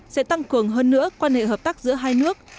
sẽ tăng cường hơn nữa quan hệ hợp tác giữa hai nước